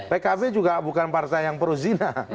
pkb juga bukan partai yang pro zina